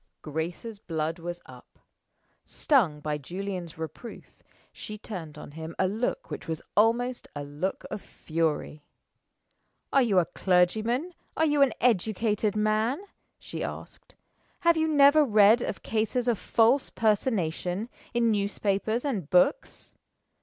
Grace's blood was up. Stung by Julian's reproof, she turned on him a look which was almost a look of fury. "Are you a clergyman? Are you an educated man?" she asked. "Have you never read of cases of false personation, in newspapers and books?